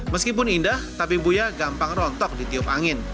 meskipun indah tapi buya gampang rontok ditiup angin